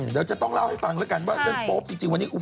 เดี๋ยวจะต้องเล่าให้ฟังแล้วกันว่าเรื่องโป๊ปจริงวันนี้